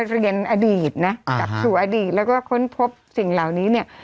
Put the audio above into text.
เรียนอดีตนะกลับสู่อดีตแล้วก็ค้นพบสิ่งเหล่านี้เนี่ย